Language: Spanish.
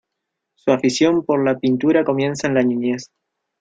Su afición por la pintura comienza en la niñez.